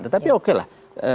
tetapi oke lah